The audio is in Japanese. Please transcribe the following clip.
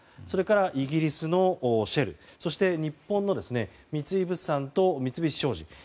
それからイギリスのシェルそして日本の三井物産と三菱商事。